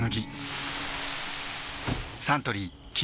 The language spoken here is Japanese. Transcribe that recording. サントリー「金麦」